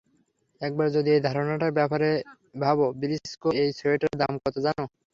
একবার যদি এই ধারণাটার ব্যাপারে ভাবো, ব্রিসকো, এই সোয়েটারের দাম কত জানো?